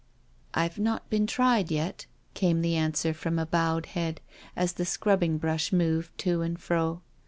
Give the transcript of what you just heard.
'^ "I've not been tried yet," came the answer from a bowed head, as the scrubbing brush moved to and fro.